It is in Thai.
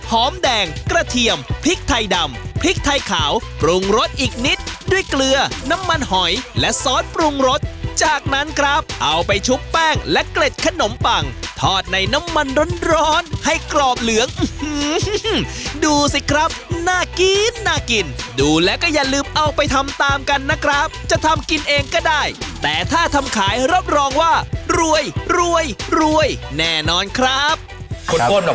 หอมแดงกระเทียมพริกไทยดำพริกไทยขาวปรุงรสอีกนิดด้วยเกลือน้ำมันหอยและซอสปรุงรสจากนั้นครับเอาไปชุบแป้งและเกล็ดขนมปังทอดในน้ำมันร้อนร้อนให้กรอบเหลืองดูสิครับน่ากินน่ากินดูแล้วก็อย่าลืมเอาไปทำตามกันนะครับจะทำกินเองก็ได้แต่ถ้าทำขายรับรองว่ารวยรวยรวยแน่นอนครับ